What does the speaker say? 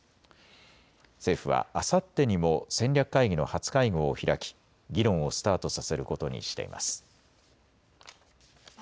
政府はあさってにも戦略会議の初会合を開き議論をスタートさせることにしています。